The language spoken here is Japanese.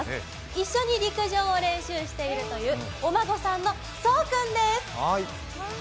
一緒に陸上を練習しているというお孫さんの奏君です。